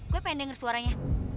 gue pengen denger suaranya